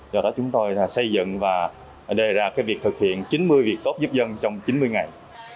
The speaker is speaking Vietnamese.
do đó chúng tôi xây dựng và đề ra việc thực hiện chín mươi việc tốt giúp dân trong chín mươi ngày